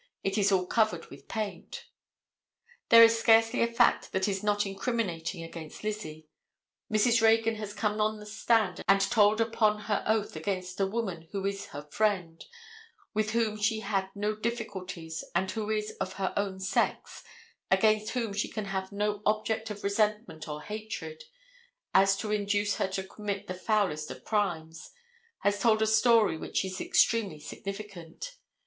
It is all covered with paint." There is scarcely a fact that is not incriminating against Lizzie. Mrs. Reagan has come on the stand and told upon her oath against a woman who is her friend, with whom she had no difficulties and who is of her own sex, against whom she can have no object of resentment or hatred, as to induce her to commit the foulest of crimes, has told a story which is extremely significant.